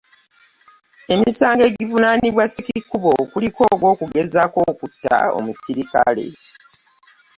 Emisango egivunaanibwa Ssekikubo kuliko ogwokugezaako okutta omuserikale